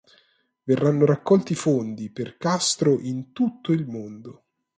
Verranno raccolti fondi per Castro in tutto il mondo.